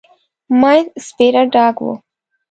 مينځ سپيره ډاګ و.